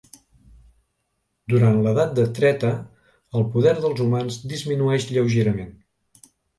Durant l'Edat de Treta, el poder dels humans disminueix lleugerament.